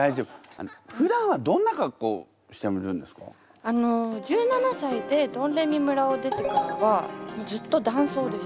あのあの１７歳でドンレミ村を出てからはずっと男装です。